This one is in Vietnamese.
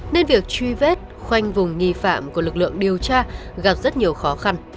nên việc truy vết khoanh vùng nghi phạm của lực lượng điều tra gặp rất nhiều khó khăn